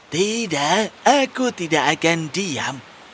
tidak aku tidak akan diam